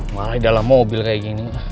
malah dalam mobil kayak gini